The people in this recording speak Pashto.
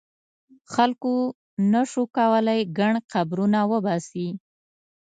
خلکو نه شو کولای ګڼ قبرونه وباسي.